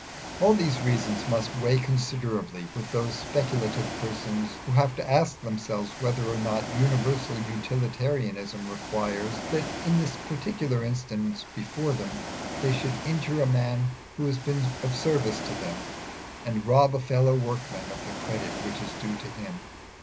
All these reasons must weigh considerably with those speculative persons who have to ask themselves whether or not Universal Utilitarianism requires that in the particular instance before them they should injure a man who has been of service to them, and rob a fellow workman of the credit which is due to him.